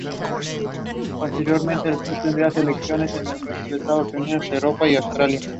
Manas National Park is the major tourist attraction of the region.